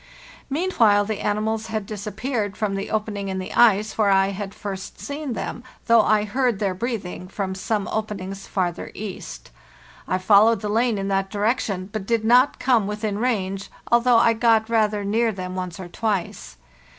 Meanwhile the animals had disappeared from the opening in the ice where I had first seen them, though I heard their breathing from some openings farther east. I followed the lane in that direction, but did not come within range, although I got rather near them once or twice.